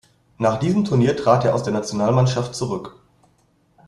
Nach diesem Turnier trat er aus der Nationalmannschaft zurück.